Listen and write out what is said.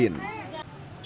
yang ada di bank bukopin